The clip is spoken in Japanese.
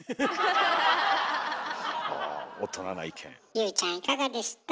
優ちゃんいかがでした？